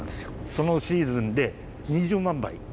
そのシーズンで２０万杯。